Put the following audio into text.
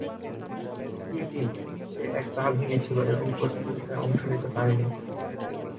Ski team, সে এক পা ভেঙ্গেছিল এবং প্রতিযোগিতায় অংশ নিতে পারেনি।